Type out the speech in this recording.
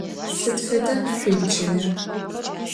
Sıd feda şsuiçıle?